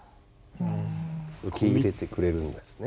受け入れてくれるんですね。